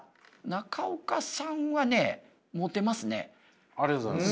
中岡さんはねありがとうございます。